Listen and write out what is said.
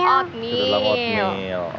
ke dalam oatmeal